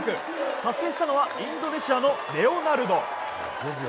達成したのはインドネシアのレオナルド。